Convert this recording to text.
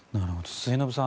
末延さん